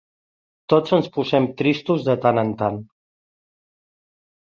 Tots ens posem tristos de tant en tant.